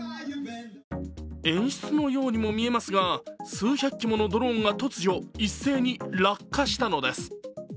演出のようにも見えますが、数百機ものドローンが突如、一斉に落下したのです。